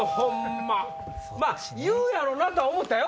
まぁ言うやろうなとは思ったよ